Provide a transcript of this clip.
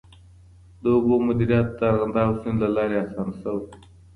د اوبو مدیریت د ارغنداب سیند له لارې آسان سوي.